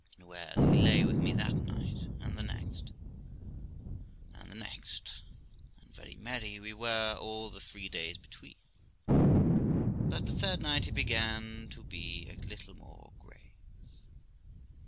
Well, he lay with me that night, and the two next, and very merry we were all the three days between; but the third night he began to be a little more grave.